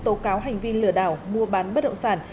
tố cáo hành vi lừa đảo mua bán bất động sản